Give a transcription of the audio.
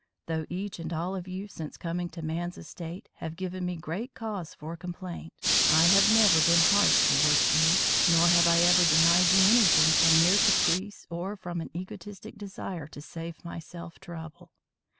Though each and all of you since coming to man's estate have given me great cause for complaint, I have never been harsh towards you, nor have I ever denied you anything from mere caprice or from an egotistic desire to save myself trouble.